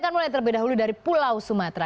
kita lihat lebih dahulu dari pulau sumatera